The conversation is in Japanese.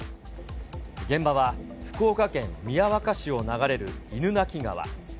現場は福岡県宮若市を流れる犬鳴川。